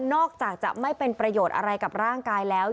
อกจากจะไม่เป็นประโยชน์อะไรกับร่างกายแล้ว